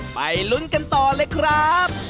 ไปลุ้นกันต่อเลยครับ